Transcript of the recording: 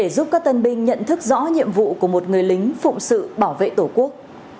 giúp các tân binh nhận thức rõ nhiệm vụ của một người lính phụng sự bảo vệ tổ quốc